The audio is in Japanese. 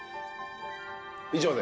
以上で。